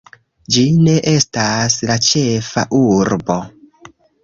Ĝi ne estas la ĉefa urbo!